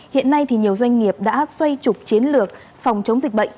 hiện nay nhiều doanh nghiệp đã xoay trục chiến lược phòng chống dịch bệnh